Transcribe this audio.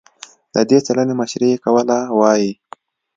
د دې څېړنې مشري یې کوله، وايي